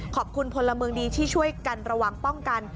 ขอบคุณพลเมืองดีที่ช่วยกันระวังป้องกัน